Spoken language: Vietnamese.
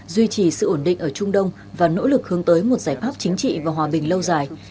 duy trì sự ổn định ở trung đông và nỗ lực hướng tới một giải pháp chính trị và hòa bình lâu dài